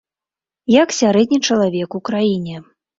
Як сярэдні чалавек у краіне.